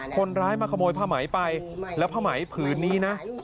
คนร้ายมาขโมยผ้าไหมไปแล้วผ้าไหมผืนนี้นะ